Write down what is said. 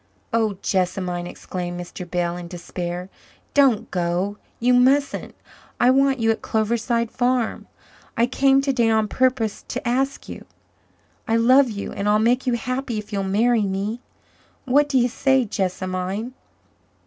"Oh, Jessamine," exclaimed Mr. Bell in despair, "don't go you mustn't. I want you at Cloverside Farm. I came today on purpose to ask you. I love you and I'll make you happy if you'll marry me. What do you say, Jessamine?"